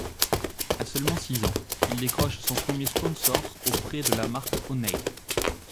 À seulement six ans, il décroche son premier sponsor auprès de la marque O'Neill.